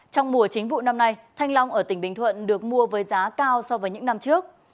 trong mùa chính vụ năm nay thanh long ở tỉnh bình thuận được mua với giá cao so với những năm trước